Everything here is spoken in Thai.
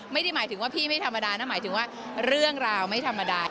ไม่ได้หมายถึงว่าพี่ไม่ธรรมดานะหมายถึงว่าเรื่องราวไม่ธรรมดา